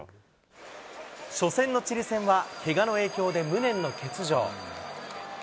初戦のチリ戦は、けがの影響で無念の欠場。